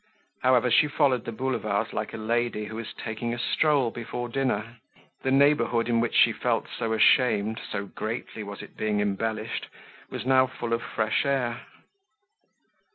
However, she followed the Boulevards like a lady who is taking a stroll before dinner. The neighborhood in which she felt so ashamed, so greatly was it being embellished, was now full of fresh air.